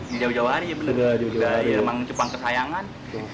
di jawa jawa hari ya bener dari remang cupang kesayangan